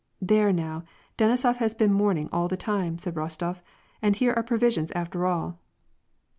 " There now, Denisof has been mourning all the time," said Rostof, " and here are provisions after all